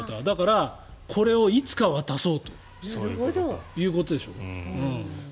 これをいつか渡そうということでしょう。